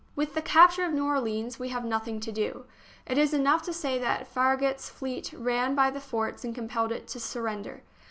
With the capture of New Orleans we have noth ing to do. It is enough to say that Farragut's fleet ran by the forts and compelled it to surrender.